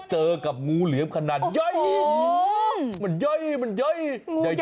เจอกับงูเหลือขนาดใหญ่มันใหญ่